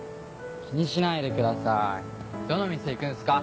気にしないでくださいどの店行くんすか？